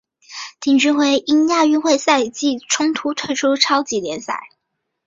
丁俊晖因亚运会赛程冲突退出超级联赛。